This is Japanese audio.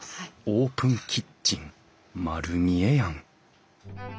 オープンキッチン丸見えやん！